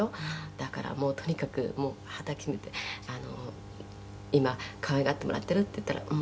「だからもうとにかく抱きしめて“今可愛がってもらってる？”って言ったら“うん”って」